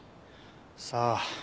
さあ。